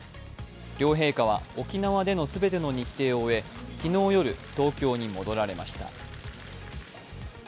両陛下は沖縄でのすべての日程を終え、昨日夜東京に戻られました。